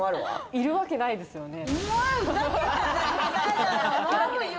いるわけないですよね。